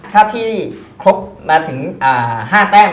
ถ้าพี่ครบมาถึง๕แต้ม